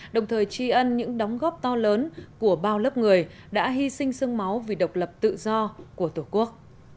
đồng thời tri ân những đóng góp to lớn của bao lớp người đã hy sinh sương máu vì độc lập tự do của tổ quốc